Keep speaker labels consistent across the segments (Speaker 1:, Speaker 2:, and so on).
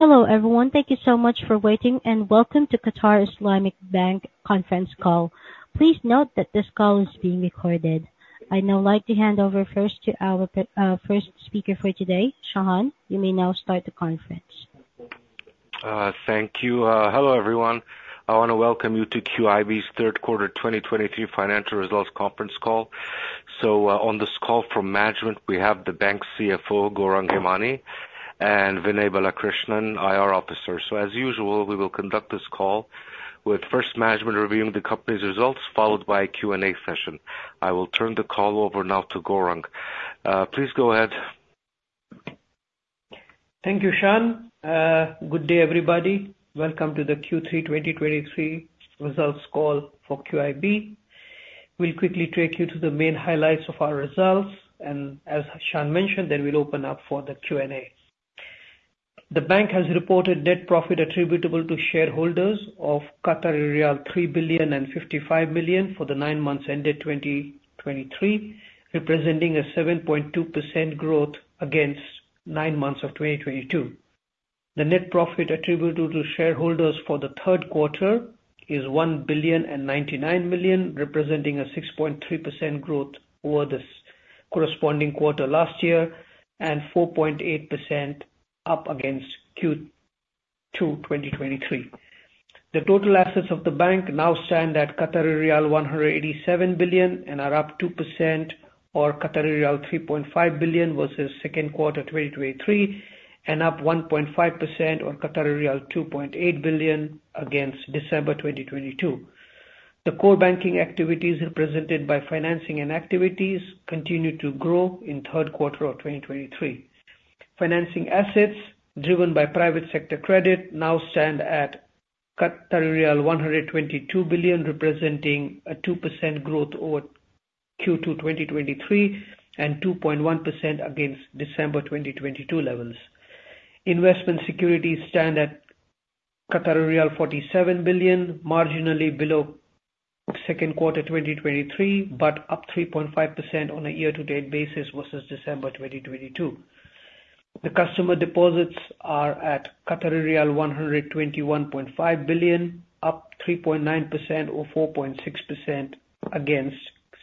Speaker 1: Hello, everyone. Thank you so much for waiting, and welcome to Qatar Islamic Bank conference call. Please note that this call is being recorded. I'd now like to hand over first to our first speaker for today, Shahan, you may now start the conference.
Speaker 2: Thank you. Hello, everyone. I want to welcome you to QIB's Third Quarter 2023 Financial Results Conference Call. So, on this call from management, we have the Bank's CFO, Gourang Hemani, and Vinay Balakrishnan, IR Officer. So as usual, we will conduct this call with first management reviewing the company's results, followed by a Q&A session. I will turn the call over now to Gourang. Please go ahead.
Speaker 3: Thank you, Shahan. Good day, everybody. Welcome to the Q3 2023 results call for QIB. We'll quickly take you to the main highlights of our results, and as Shahan mentioned, then we'll open up for the Q&A. The bank has reported net profit attributable to shareholders of riyal 3,055 million for the nine months ended 2023, representing a 7.2% growth against nine months of 2022. The net profit attributable to shareholders for the third quarter is 1,099 million, representing a 6.3% growth over this corresponding quarter last year, and 4.8% up against Q2 2023. The total assets of the bank now stand at 187 billion and are up 2% or 3.5 billion versus second quarter 2023, and up 1.5% or 2.8 billion against December 2022. The core banking activities represented by financing and activities continue to grow in third quarter of 2023. Financing assets, driven by private sector credit, now stand at 122 billion, representing a 2% growth over Q2 2023, and 2.1% against December 2022 levels. Investment securities stand at 47 billion, marginally below second quarter 2023, but up 3.5% on a year-to-date basis versus December 2022. The customer deposits are at 121.5 billion, up 3.9% or 4.6% against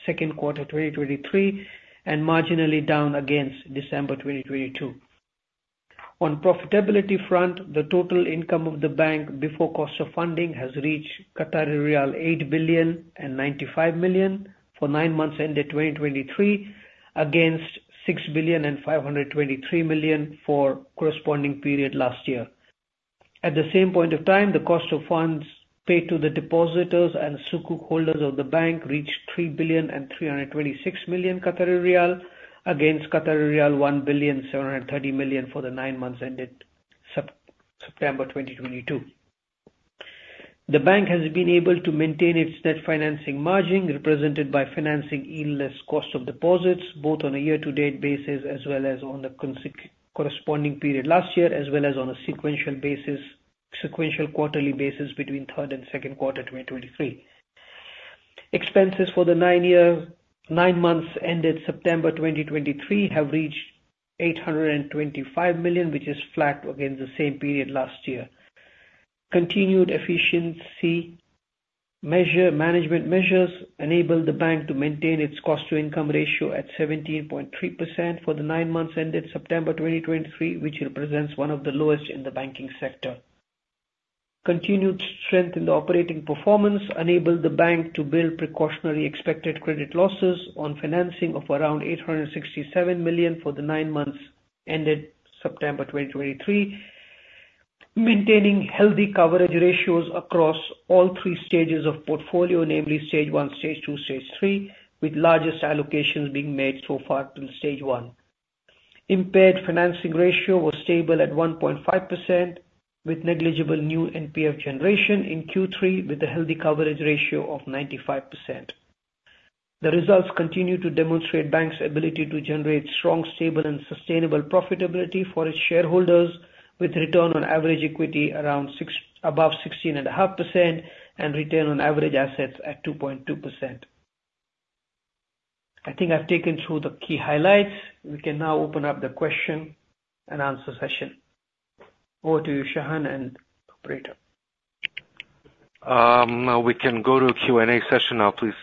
Speaker 3: second quarter 2023, and marginally down against December 2022. On profitability front, the total income of the bank before cost of funding has reached 8.095 billion for nine months ended 2023, against 6.523 billion for corresponding period last year. At the same point of time, the cost of funds paid to the depositors and Sukuk holders of the bank reached 3.326 billion, against Qatari riyal 1.73 billion for the nine months ended September 2022. The bank has been able to maintain its net financing margin, represented by financing income less cost of deposits, both on a year-to-date basis as well as on the corresponding period last year, as well as on a sequential basis, sequential quarterly basis between third and second quarter 2023. Expenses for the nine months ended September 2023 have reached 825 million, which is flat against the same period last year. Continued efficiency management measures enabled the bank to maintain its cost-to-income ratio at 17.3% for the nine months ended September 2023, which represents one of the lowest in the banking sector. Continued strength in the operating performance enabled the bank to build precautionary expected credit losses on financing of around 867 million for the nine months ended September 2023, maintaining healthy coverage ratios across all three stages of portfolio, namely stage 1, stage 2, stage 3, with largest allocations being made so far till stage 1. Impaired financing ratio was stable at 1.5%, with negligible new NPF generation in Q3, with a healthy coverage ratio of 95%. The results continue to demonstrate bank's ability to generate strong, stable, and sustainable profitability for its shareholders, with return on average equity above 16.5%, and return on average assets at 2.2%. I think I've taken through the key highlights. We can now open up the question and answer session. Over to you, Shahan and operator.
Speaker 2: We can go to Q&A session now, please.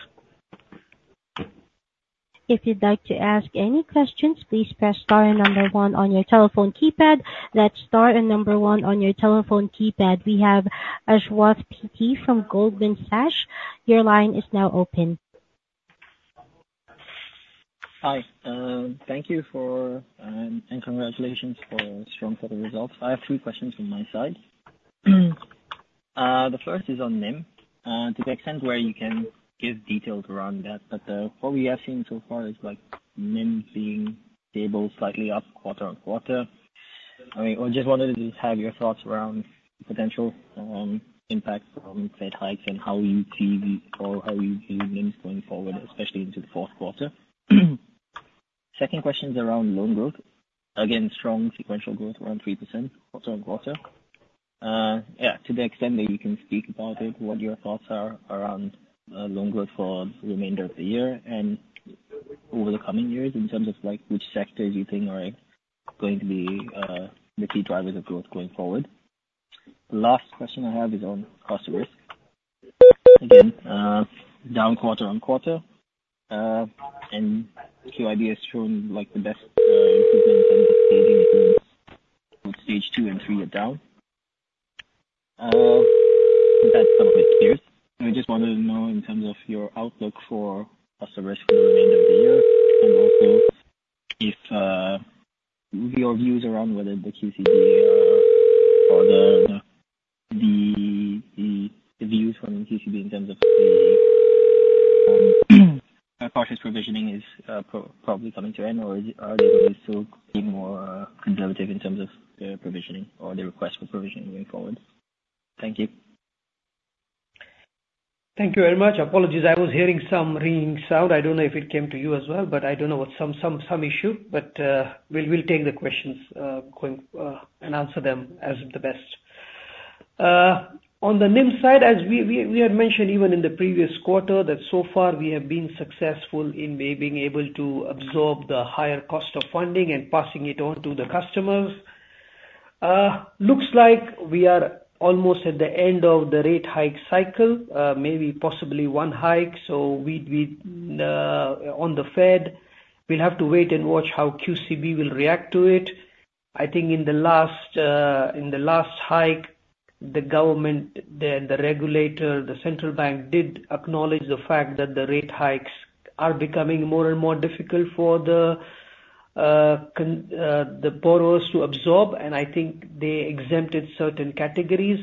Speaker 1: If you'd like to ask any questions, please press star and number one on your telephone keypad. That's star and number one on your telephone keypad. We have Ashwath PT from Goldman Sachs. Your line is now open.
Speaker 4: Hi, thank you for, and congratulations for strong quarter results. I have three questions from my side. The first is on NIM, to the extent where you can give details around that, but, what we have seen so far is like NIM being stable, slightly up quarter-on-quarter. I mean, I just wanted to have your thoughts around potential, impact from Fed hikes and how you see the... Or how you see NIMs going forward, especially into the fourth quarter. Second question is around loan growth. Again, strong sequential growth, around 3% quarter-on-quarter. Yeah, to the extent that you can speak about it, what your thoughts are around, loan growth for remainder of the year, and-... Over the coming years, in terms of, like, which sectors you think are going to be the key drivers of growth going forward? Last question I have is on cost of risk. Again, down quarter-on-quarter, and QIB has shown like the best improvement in both stage 2 and stage 3 are down. That's somewhat clear. I just wanted to know in terms of your outlook for customers for the remainder of the year, and also if your views around whether the QCB or the views from QCB in terms of the partial provisioning is probably coming to an end, or are they still being more conservative in terms of the provisioning or the request for provisioning going forward? Thank you.
Speaker 3: Thank you very much. Apologies, I was hearing some ringing sound. I don't know if it came to you as well, but I don't know what some issue, but we'll take the questions going and answer them as the best. On the NIM side, as we had mentioned even in the previous quarter, that so far we have been successful in being able to absorb the higher cost of funding and passing it on to the customers. Looks like we are almost at the end of the rate hike cycle, maybe possibly one hike, so we on the Fed, we'll have to wait and watch how QCB will react to it. I think in the last hike, the government, the regulator, the central bank, did acknowledge the fact that the rate hikes are becoming more and more difficult for the borrowers to absorb, and I think they exempted certain categories.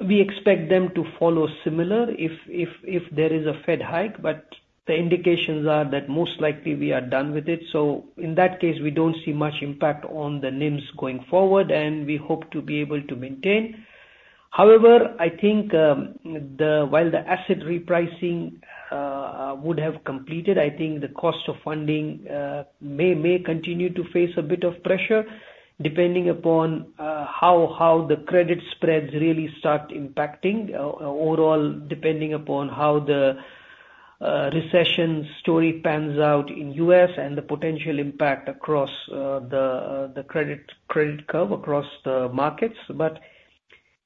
Speaker 3: We expect them to follow similar if there is a Fed hike, but the indications are that most likely we are done with it. So in that case, we don't see much impact on the NIMs going forward, and we hope to be able to maintain. However, I think, the... While the asset repricing would have completed, I think the cost of funding may continue to face a bit of pressure, depending upon how the credit spreads really start impacting overall, depending upon how the recession story pans out in U.S. and the potential impact across the credit curve across the markets.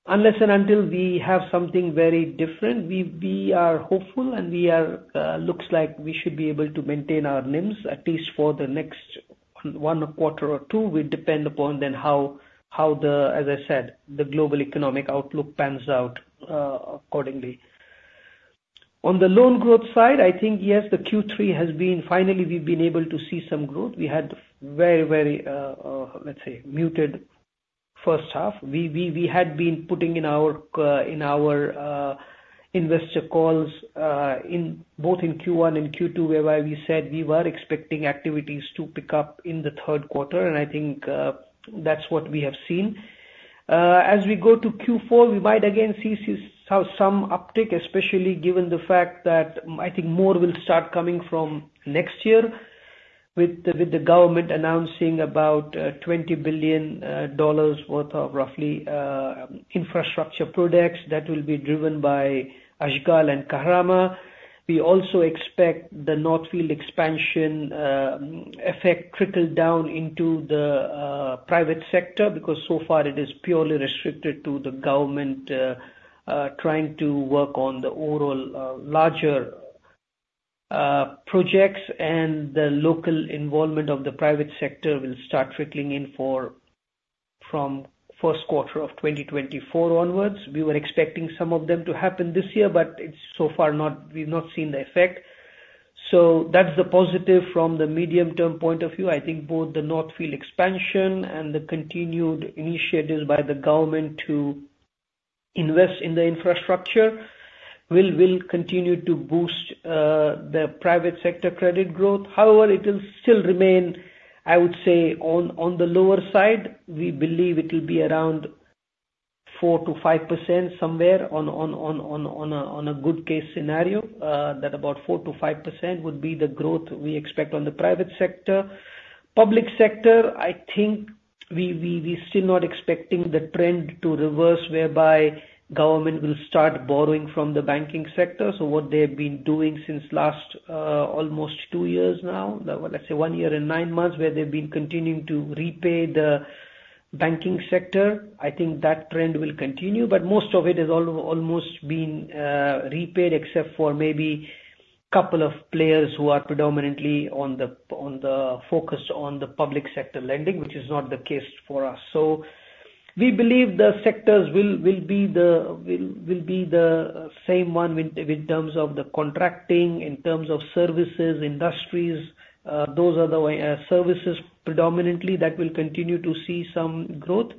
Speaker 3: But unless and until we have something very different, we are hopeful and looks like we should be able to maintain our NIMs, at least for the next one quarter or two. Will depend upon then how, as I said, the global economic outlook pans out accordingly. On the loan growth side, I think, yes, the Q3 has been, finally we've been able to see some growth. We had very, very, let's say, muted first half. We had been putting in our investor calls in both Q1 and Q2, whereby we said we were expecting activities to pick up in the third quarter, and I think that's what we have seen. As we go to Q4, we might again see some uptick, especially given the fact that I think more will start coming from next year, with the government announcing about $20 billion worth of roughly infrastructure products that will be driven by Ashghal and Kahramaa. We also expect the North Field Expansion effect trickle down into the private sector, because so far it is purely restricted to the government trying to work on the overall larger projects, and the local involvement of the private sector will start trickling in from first quarter of 2024 onwards. We were expecting some of them to happen this year, but so far we've not seen the effect. So that's the positive from the medium-term point of view. I think both the North Field Expansion and the continued initiatives by the government to invest in the infrastructure will continue to boost the private sector credit growth. However, it will still remain, I would say, on the lower side. We believe it'll be around 4%-5% somewhere on a good case scenario. That's about 4%-5% would be the growth we expect on the private sector. Public sector, I think we're still not expecting the trend to reverse, whereby government will start borrowing from the banking sector. So what they've been doing since last almost 2 years now, let's say 1 year and 9 months, where they've been continuing to repay the banking sector, I think that trend will continue. But most of it has almost been repaid, except for maybe a couple of players who are predominantly focused on the public sector lending, which is not the case for us. So we believe the sectors will be the same one with terms of the contracting, in terms of services, industries, those are the services predominantly that will continue to see some growth.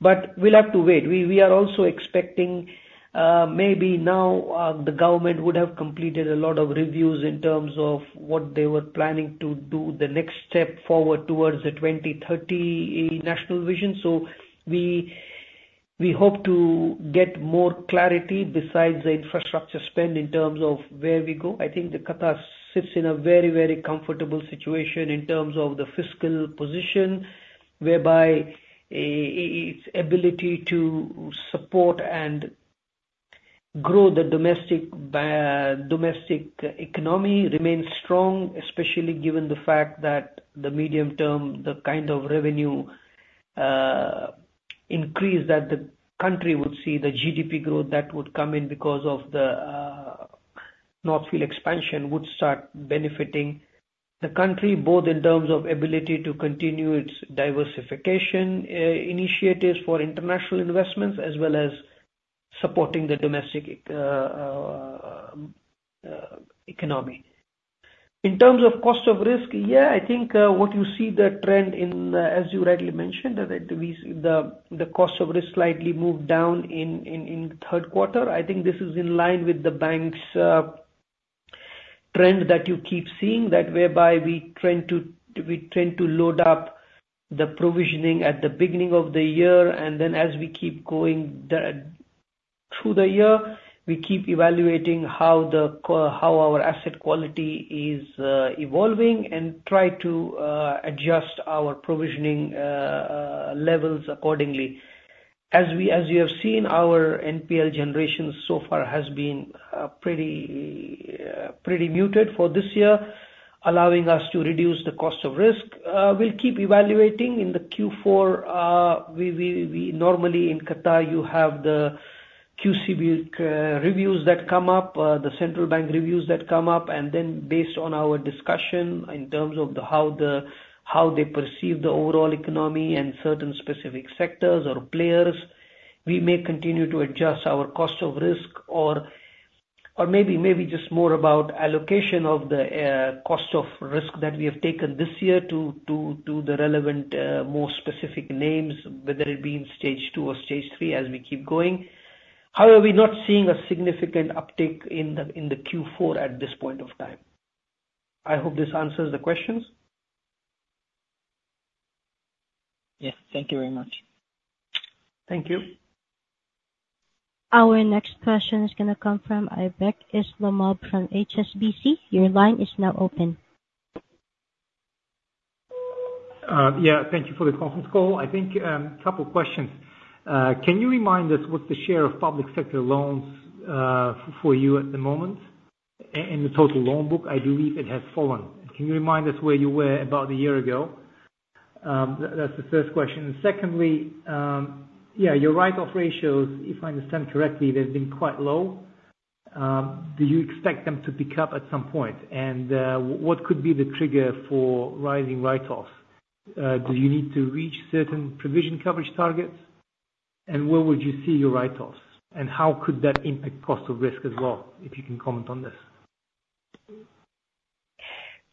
Speaker 3: But we'll have to wait. We are also expecting, maybe now, the government would have completed a lot of reviews in terms of what they were planning to do the next step forward towards the 2030 National Vision. So we hope to get more clarity besides the infrastructure spend in terms of where we go. I think that Qatar sits in a very, very comfortable situation in terms of the fiscal position, whereby, its ability to support and-... Grow the domestic economy remains strong, especially given the fact that the medium term, the kind of revenue increase that the country would see, the GDP growth that would come in because of the North Field Expansion, would start benefiting the country, both in terms of ability to continue its diversification initiatives for international investments, as well as supporting the domestic economy. In terms of cost of risk, yeah, I think, what you see the trend in, as you rightly mentioned, that it, we see the cost of risk slightly moved down in the third quarter. I think this is in line with the bank's trend that you keep seeing, that whereby we tend to load up the provisioning at the beginning of the year, and then as we keep going through the year, we keep evaluating how our asset quality is evolving, and try to adjust our provisioning levels accordingly. As you have seen, our NPL generations so far has been pretty muted for this year, allowing us to reduce the cost of risk. We'll keep evaluating. In the Q4, we normally in Qatar, you have the QCB reviews that come up, the central bank reviews that come up, and then based on our discussion in terms of how they perceive the overall economy and certain specific sectors or players, we may continue to adjust our cost of risk or maybe just more about allocation of the cost of risk that we have taken this year to the relevant more specific names, whether it be in Stage 2 or Stage 3, as we keep going. However, we're not seeing a significant uptick in the Q4 at this point of time. I hope this answers the questions?
Speaker 4: Yes, thank you very much.
Speaker 3: Thank you.
Speaker 1: Our next question is gonna come from Aybek Islamov from HSBC. Your line is now open.
Speaker 5: Yeah, thank you for the conference call. I think, couple questions. Can you remind us what's the share of public sector loans for you at the moment in the total loan book? I believe it has fallen. Can you remind us where you were about a year ago? That's the first question. And secondly, yeah, your write-off ratios, if I understand correctly, they've been quite low. Do you expect them to pick up at some point? And what could be the trigger for rising write-offs? Do you need to reach certain provision coverage targets? And where would you see your write-offs, and how could that impact cost of risk as well, if you can comment on this?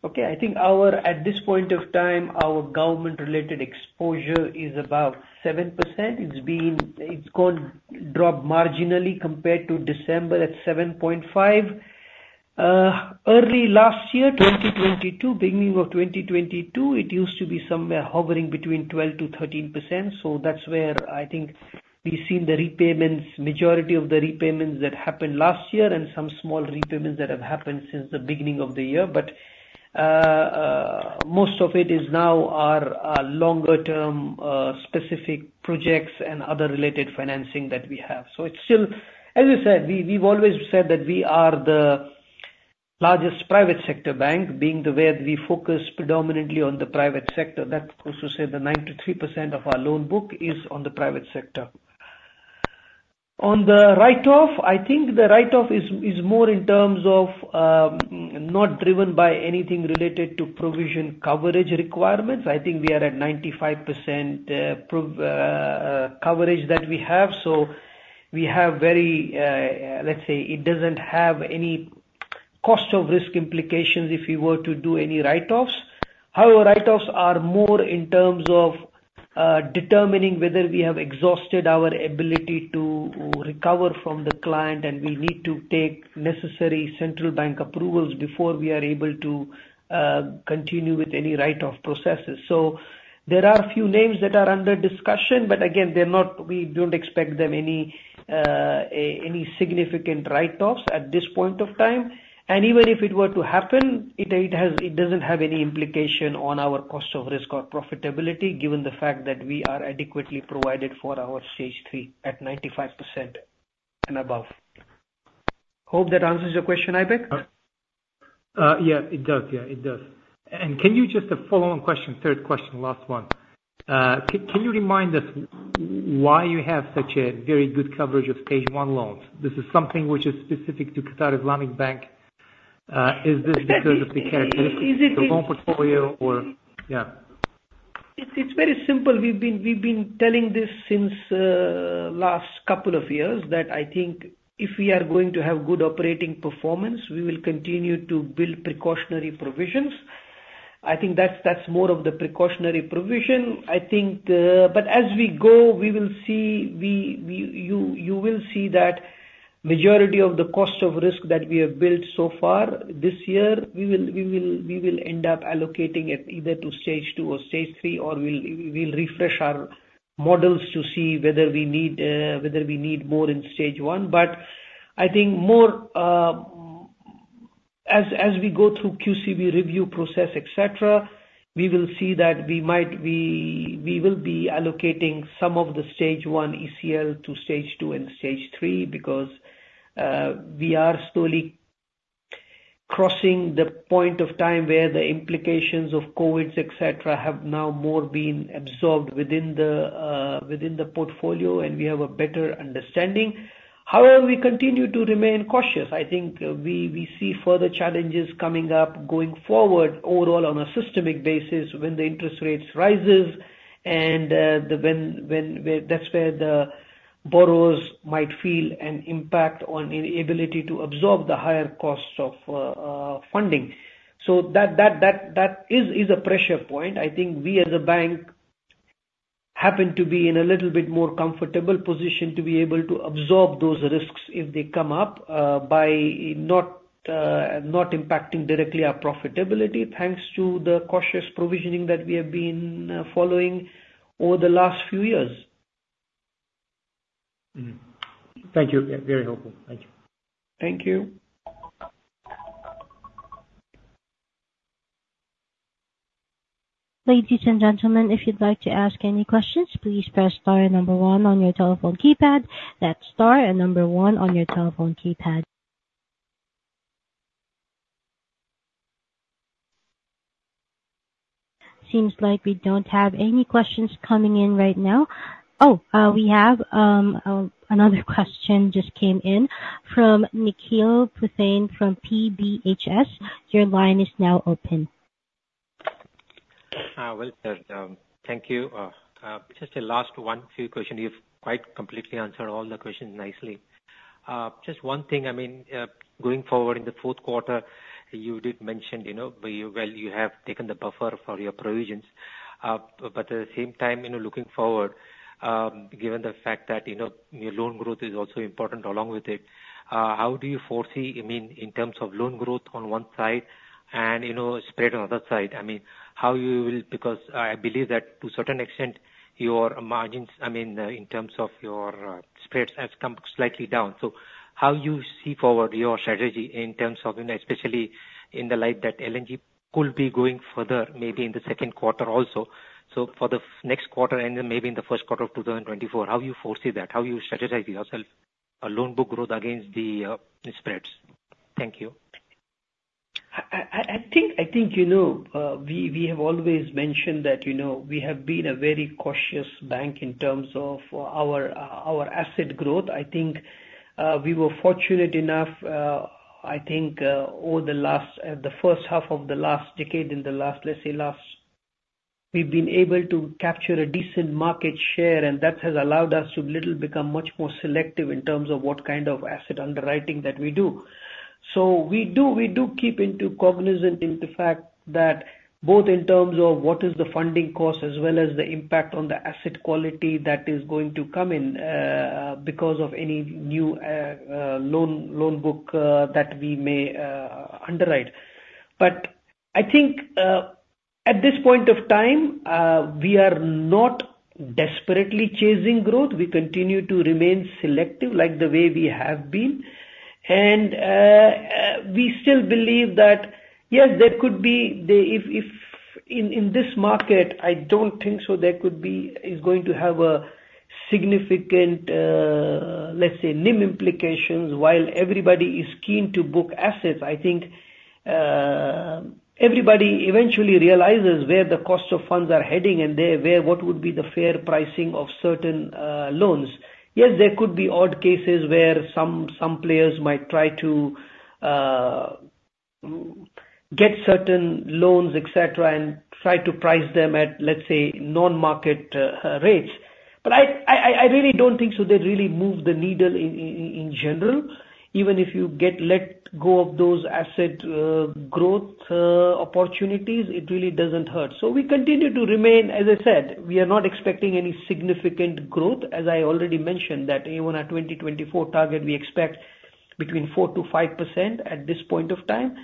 Speaker 3: Okay. I think our, at this point of time, our government-related exposure is about 7%. It's been. It's gone, dropped marginally compared to December at 7.5%. Early last year, 2022, beginning of 2022, it used to be somewhere hovering between 12%-13%. So that's where I think we've seen the repayments, majority of the repayments that happened last year and some small repayments that have happened since the beginning of the year. But, most of it is now our, longer term, specific projects and other related financing that we have. So it's still. As I said, we, we've always said that we are the largest private sector bank, being the way we focus predominantly on the private sector. That goes to say that 93% of our loan book is on the private sector. On the write-off, I think the write-off is more in terms of not driven by anything related to provision coverage requirements. I think we are at 95% coverage that we have. So we have very, let's say, it doesn't have any cost of risk implications if we were to do any write-offs. However, write-offs are more in terms of determining whether we have exhausted our ability to recover from the client, and we need to take necessary central bank approvals before we are able to continue with any write-off processes. So there are a few names that are under discussion, but again, they're not. We don't expect any significant write-offs at this point of time. Even if it were to happen, it doesn't have any implication on our cost of risk or profitability, given the fact that we are adequately provided for our Stage 3 at 95% and above. Hope that answers your question, Aybeck?
Speaker 5: Yeah, it does. Yeah, it does. And can you just... A follow-on question, third question, last one. Can you remind us why you have such a very good coverage of Stage 1 loans? This is something which is specific to Qatar Islamic Bank. Is this because of the characteristics, the loan portfolio or... Yeah.
Speaker 3: It's very simple. We've been telling this since last couple of years, that I think if we are going to have good operating performance, we will continue to build precautionary provisions. I think that's more of the precautionary provision. I think but as we go, we will see, we, you will see that majority of the cost of risk that we have built so far this year, we will end up allocating it either to stage 2 or stage 3, or we'll refresh our models to see whether we need whether we need more in stage 1. But I think more... As we go through QCB review process, etc., we will see that we will be allocating some of the stage 1 ECL to stage 2 and stage 3, because we are slowly crossing the point of time where the implications of COVID, etc., have now more been absorbed within the within the portfolio, and we have a better understanding. However, we continue to remain cautious. I think we see further challenges coming up going forward, overall, on a systemic basis, when the interest rates rises and the when, when, where, that's where the borrowers might feel an impact on the ability to absorb the higher costs of funding. So that is a pressure point. I think we as a bank happen to be in a little bit more comfortable position to be able to absorb those risks if they come up, by not not impacting directly our profitability, thanks to the cautious provisioning that we have been following over the last few years.
Speaker 5: Mm-hmm. Thank you. Very helpful. Thank you.
Speaker 3: Thank you.
Speaker 1: Ladies and gentlemen, if you'd like to ask any questions, please press star and number one on your telephone keypad. That's star and number one on your telephone keypad. Seems like we don't have any questions coming in right now. Oh! We have another question just came in from Nikhil Pruthane from PBHS. Your line is now open.
Speaker 6: Well, sir, thank you. Just the last one, few question. You've quite completely answered all the questions nicely. Just one thing, I mean, going forward in the fourth quarter, you did mention, you know, where you, well, you have taken the buffer for your provisions. But at the same time, you know, looking forward, given the fact that, you know, your loan growth is also important along with it, how do you foresee, I mean, in terms of loan growth on one side and, you know, spread on the other side? I mean, how you will... Because I believe that to a certain extent, your margins, I mean, in terms of your, spreads, has come slightly down. So how you see forward your strategy in terms of, you know, especially in the light that LNG could be going further, maybe in the second quarter also. So for the next quarter and then maybe in the first quarter of 2024, how you foresee that? How you strategize yourself, loan book growth against the, the spreads? Thank you.
Speaker 3: I think, you know, we have always mentioned that, you know, we have been a very cautious bank in terms of our asset growth. I think we were fortunate enough, I think, over the last, the first half of the last decade, in the last, let's say, last... We've been able to capture a decent market share, and that has allowed us to little become much more selective in terms of what kind of asset underwriting that we do. So we do keep into cognizant in the fact that both in terms of what is the funding cost as well as the impact on the asset quality that is going to come in, because of any new loan book that we may underwrite. But I think, at this point of time, we are not desperately chasing growth. We continue to remain selective, like the way we have been. And, we still believe that, yes, there could be... If in this market, I don't think so there could be is going to have a significant, let's say, NIM implications while everybody is keen to book assets. I think, everybody eventually realizes where the cost of funds are heading and there, where, what would be the fair pricing of certain loans. Yes, there could be odd cases where some players might try to get certain loans et cetera, and try to price them at, let's say, non-market rates. But I really don't think so they really move the needle in general. Even if you get let go of those asset, growth, opportunities, it really doesn't hurt. So we continue to remain, as I said, we are not expecting any significant growth, as I already mentioned, that even our 2024 target, we expect between 4%-5% at this point of time.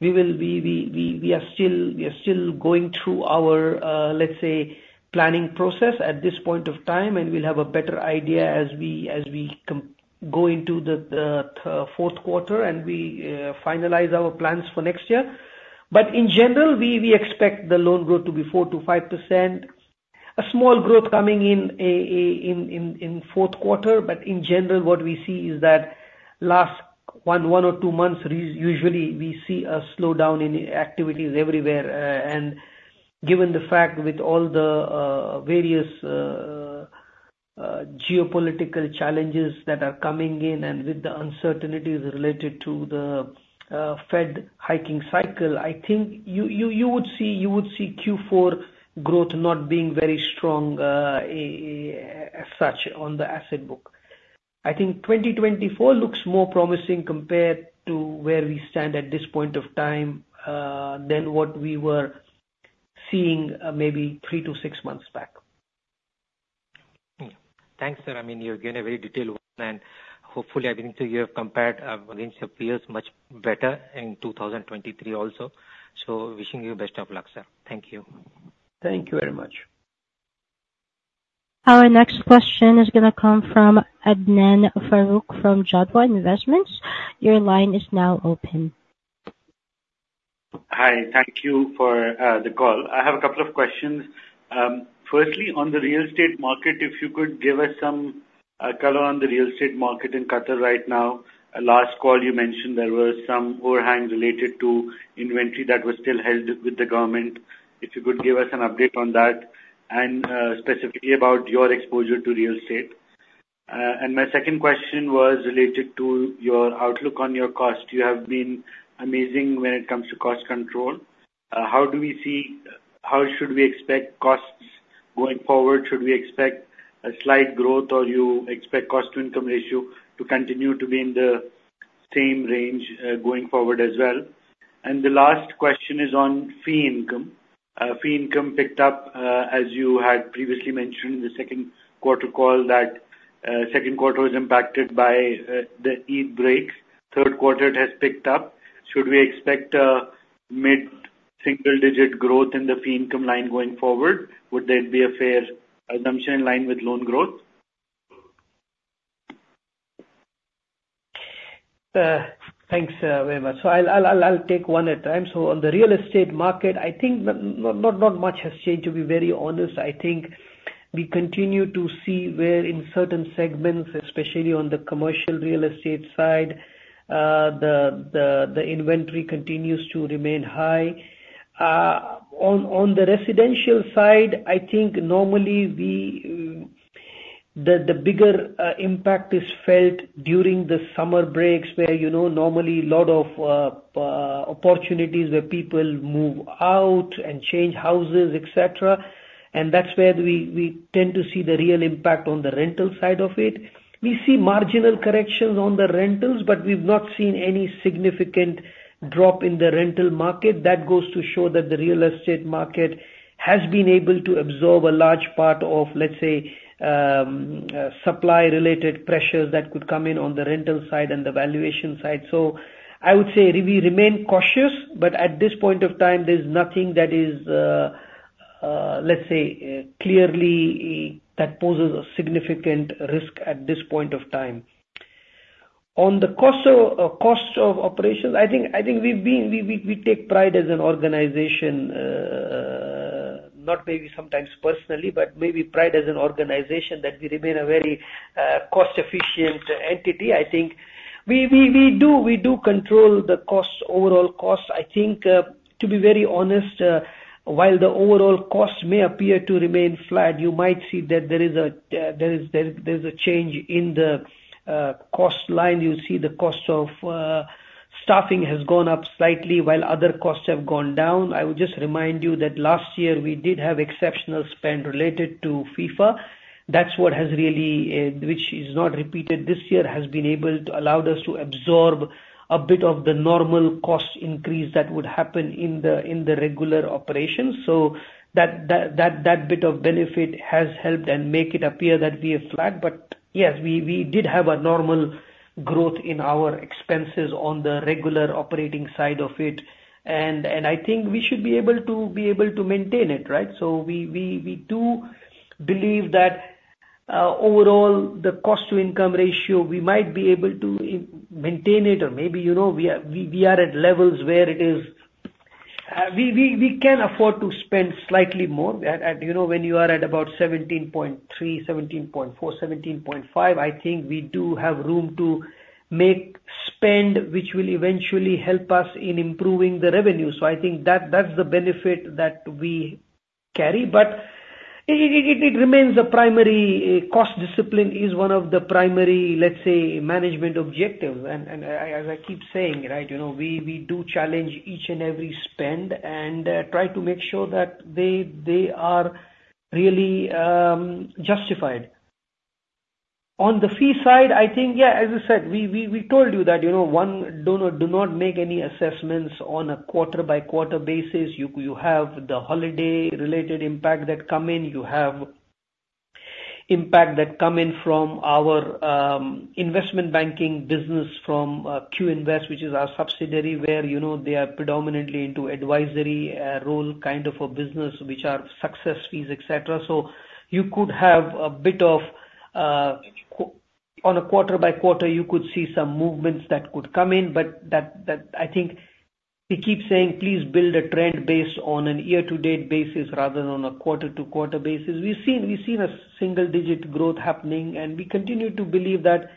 Speaker 3: We are still going through our, let's say, planning process at this point of time, and we'll have a better idea as we go into the fourth quarter and we finalize our plans for next year. But in general, we expect the loan growth to be 4%-5%. A small growth coming in the fourth quarter, but in general, what we see is that last one or two months, usually we see a slowdown in activities everywhere. And given the fact with all the various geopolitical challenges that are coming in and with the uncertainties related to the Fed hiking cycle, I think you would see Q4 growth not being very strong as such on the asset book. I think 2024 looks more promising compared to where we stand at this point of time than what we were seeing maybe three to six months back.
Speaker 6: Hmm. Thanks, sir. I mean, you're giving a very detailed plan. Hopefully, I think you have compared against your peers much better in 2023 also. So wishing you best of luck, sir. Thank you.
Speaker 3: Thank you very much....
Speaker 1: Our next question is gonna come from Adnan Farooq from Jadwa Investments. Your line is now open.
Speaker 7: Hi, thank you for the call. I have a couple of questions. Firstly, on the real estate market, if you could give us some color on the real estate market in Qatar right now. At last call you mentioned there was some overhang related to inventory that was still held with the government. If you could give us an update on that and specifically about your exposure to real estate. And my second question was related to your outlook on your cost. You have been amazing when it comes to cost control. How should we expect costs going forward? Should we expect a slight growth, or you expect cost-to-income ratio to continue to be in the same range going forward as well? And the last question is on fee income. Fee income picked up, as you had previously mentioned in the second quarter call, that second quarter was impacted by the Eid break. Third quarter, it has picked up. Should we expect a mid-single-digit growth in the fee income line going forward? Would that be a fair assumption in line with loan growth?
Speaker 3: Thanks very much. So I'll take one at a time. So on the real estate market, I think not much has changed, to be very honest. I think we continue to see where in certain segments, especially on the commercial real estate side, the inventory continues to remain high. On the residential side, I think normally the bigger impact is felt during the summer breaks, where, you know, normally lot of opportunities where people move out and change houses, et cetera. And that's where we tend to see the real impact on the rental side of it. We see marginal corrections on the rentals, but we've not seen any significant drop in the rental market. That goes to show that the real estate market has been able to absorb a large part of, let's say, supply-related pressures that could come in on the rental side and the valuation side. So I would say we remain cautious, but at this point of time, there's nothing that is, let's say, clearly that poses a significant risk at this point of time. On the cost of costs of operations, I think we've been—we take pride as an organization, not maybe sometimes personally, but maybe pride as an organization, that we remain a very cost-efficient entity. I think we do control the costs, overall costs. I think, to be very honest, while the overall costs may appear to remain flat, you might see that there is a change in the cost line. You see the cost of staffing has gone up slightly while other costs have gone down. I would just remind you that last year we did have exceptional spend related to FIFA. That's what has really, which is not repeated this year, has been able to allow us to absorb a bit of the normal cost increase that would happen in the regular operations. So that bit of benefit has helped and make it appear that we are flat. But yes, we did have a normal growth in our expenses on the regular operating side of it. I think we should be able to maintain it, right? So we do believe that overall, the cost-to-income ratio, we might be able to maintain it or maybe, you know, we are at levels where it is. We can afford to spend slightly more. At, you know, when you are at about 17.3, 17.4, 17.5, I think we do have room to make spend, which will eventually help us in improving the revenue. So I think that's the benefit that we carry. But it remains a primary. Cost discipline is one of the primary, let's say, management objective. As I keep saying, right, you know, we do challenge each and every spend and try to make sure that they are really justified. On the fee side, I think, yeah, as I said, we told you that, you know, one, do not make any assessments on a quarter-by-quarter basis. You have the holiday-related impact that come in. You have impact that come in from our investment banking business from QInvest, which is our subsidiary, where, you know, they are predominantly into advisory role, kind of a business, which are success fees, et cetera. So you could have a bit of quarter-by-quarter, you could see some movements that could come in, but that... I think we keep saying, "Please build a trend based on a year-to-date basis rather than on a quarter-to-quarter basis." We've seen a single-digit growth happening, and we continue to believe that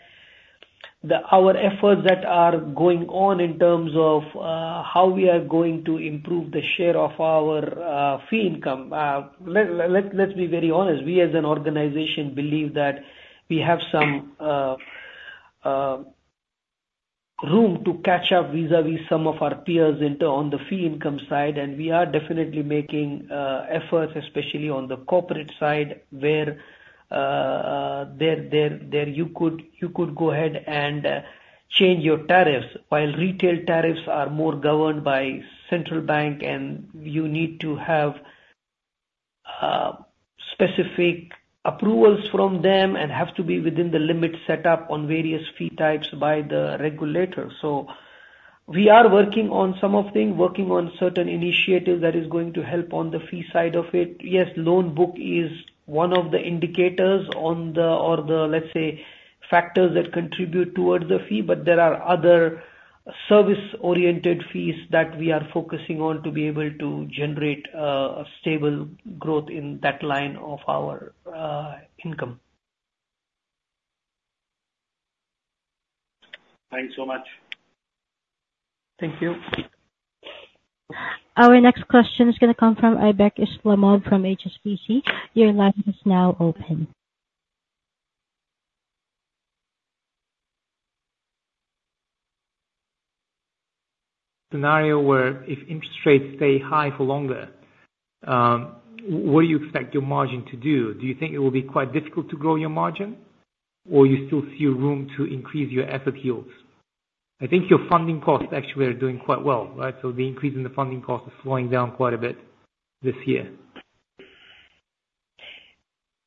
Speaker 3: our efforts that are going on in terms of how we are going to improve the share of our fee income. Let's be very honest, we as an organization believe that we have some room to catch up vis-a-vis some of our peers into on the fee income side, and we are definitely making efforts, especially on the corporate side, where you could go ahead and change your tariffs, while retail tariffs are more governed by central bank, and you need to have specific approvals from them and have to be within the limits set up on various fee types by the regulator. We are working on some of them, working on certain initiatives that is going to help on the fee side of it. Yes, loan book is one of the indicators on the, or the, let's say, factors that contribute towards the fee, but there are other service-oriented fees that we are focusing on to be able to generate a stable growth in that line of our income.
Speaker 4: Thanks so much.
Speaker 3: Thank you.
Speaker 1: Our next question is gonna come from Aybek Islamov from HSBC. Your line is now open.
Speaker 5: Scenario where if interest rates stay high for longer, what do you expect your margin to do? Do you think it will be quite difficult to grow your margin, or you still see room to increase your asset yields? I think your funding costs actually are doing quite well, right? So the increase in the funding cost is slowing down quite a bit this year.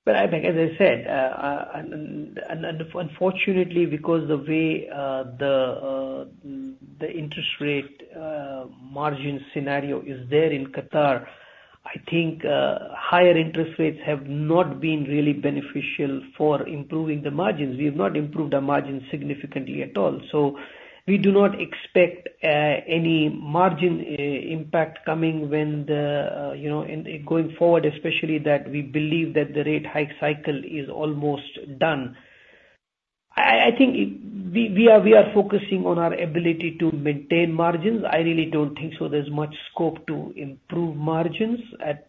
Speaker 3: But I think, as I said, and unfortunately, because the way the interest rate margin scenario is there in Qatar, I think higher interest rates have not been really beneficial for improving the margins. We have not improved our margins significantly at all. So we do not expect any margin impact coming when the, you know, in going forward, especially that we believe that the rate hike cycle is almost done. I think it. We are focusing on our ability to maintain margins. I really don't think so there's much scope to improve margins at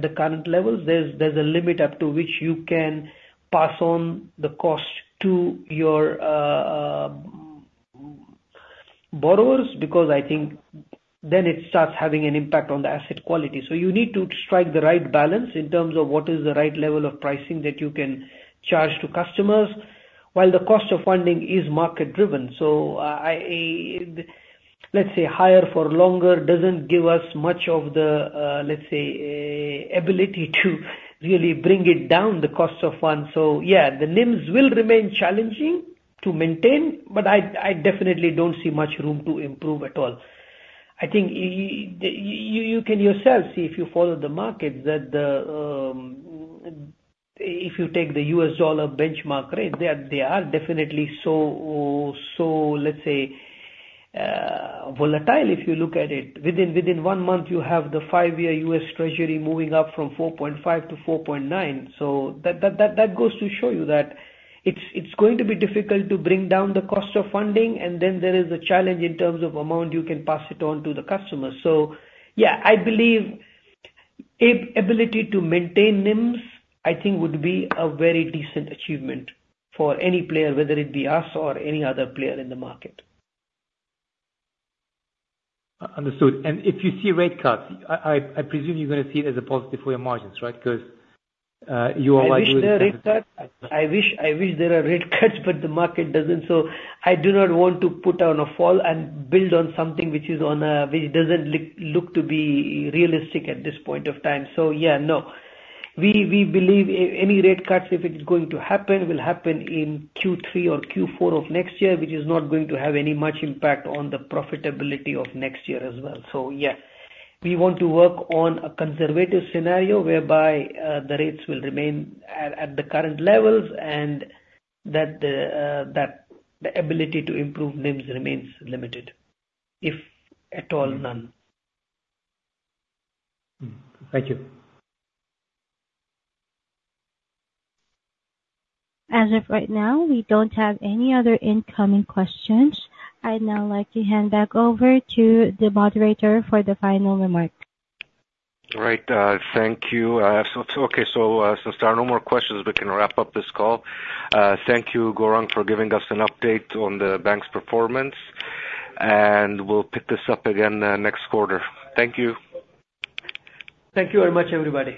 Speaker 3: the current levels. There's a limit up to which you can pass on the cost to your borrowers, because I think then it starts having an impact on the asset quality. So you need to strike the right balance in terms of what is the right level of pricing that you can charge to customers, while the cost of funding is market driven. So, I, let's say, higher for longer doesn't give us much of the, let's say, ability to really bring it down the cost of funds. So yeah, the NIMs will remain challenging to maintain, but I definitely don't see much room to improve at all. I think you can yourself see, if you follow the market, that if you take the U.S. dollar benchmark rate, they are definitely so, let's say, volatile, if you look at it. Within one month, you have the five-year U.S. Treasury moving up from 4.5 to 4.9. So that goes to show you that it's going to be difficult to bring down the cost of funding, and then there is a challenge in terms of amount you can pass it on to the customer. So, yeah, I believe ability to maintain NIMs, I think would be a very decent achievement for any player, whether it be us or any other player in the market.
Speaker 5: Understood. If you see rate cuts, I presume you're gonna see it as a positive for your margins, right? Because you are likely-
Speaker 3: I wish the rate cut... I wish, I wish there are rate cuts, but the market doesn't, so I do not want to put on a fall and build on something which is on a, which doesn't look to be realistic at this point of time. So, yeah, no. We believe any rate cuts, if it's going to happen, will happen in Q3 or Q4 of next year, which is not going to have any much impact on the profitability of next year as well. So, yeah, we want to work on a conservative scenario whereby the rates will remain at the current levels, and that the ability to improve NIMs remains limited, if at all, none.
Speaker 5: Mm. Thank you.
Speaker 1: As of right now, we don't have any other incoming questions. I'd now like to hand back over to the moderator for the final remarks.
Speaker 2: Great, thank you. Okay, so, since there are no more questions, we can wrap up this call. Thank you, Gourang, for giving us an update on the bank's performance, and we'll pick this up again, next quarter. Thank you.
Speaker 3: Thank you very much, everybody.